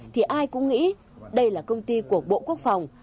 thì ai cũng nghĩ đây là công ty của bộ quốc phòng